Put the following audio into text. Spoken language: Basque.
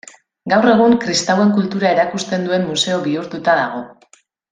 Gaur egun kristauen kultura erakusten duen museo bihurtuta dago.